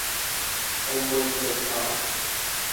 امالفساد